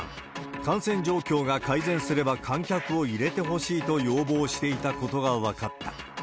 感染状況が改善すれば観客を入れてほしいと要望していたことが分かった。